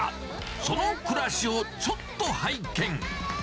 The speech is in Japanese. その暮らしをちょっと拝見。